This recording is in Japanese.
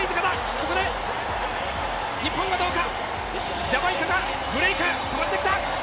ここで日本はどうか。